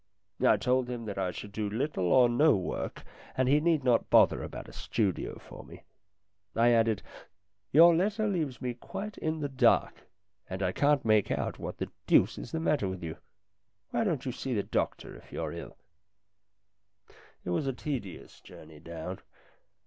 I told him that I should do little or no work, and he need not bother about a studio for me. I added :" Your letter leaves me quite in the dark, and I can't make out what the deuce is the matter with you. Why don't you see a doctor if you're ill ?" It was a tedious journey down.